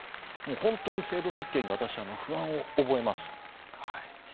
本当に、制度設計に私は不安を覚えます。